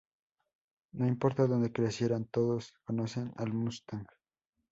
No importa dónde crecieran, todos conocen al Mustang.